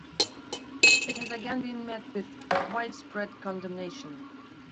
It has again been met with widespread condemnation.